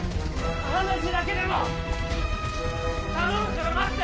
話だけでも頼むから待って！